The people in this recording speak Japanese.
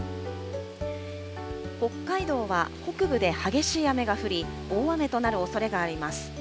北海道は北部で激しい雨が降り、大雨となるおそれがあります。